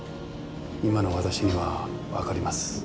今の私にはわかります。